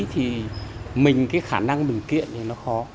thì mình cái khả năng điều kiện thì nó khó